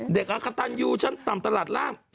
เด็กอักตันยูชั้นต่ำตลาดล่ะ